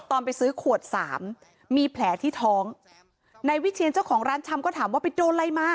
ไปซื้อขวดสามมีแผลที่ท้องนายวิเชียนเจ้าของร้านชำก็ถามว่าไปโดนอะไรมา